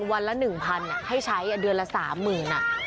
วันละ๑๐๐๐ด้วยให้ใช้เดือนละ๓๐๐๐๐